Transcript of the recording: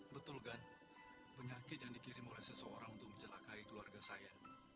betul kan penyakit yang dikirim oleh seseorang untuk mencelakai keluarga saya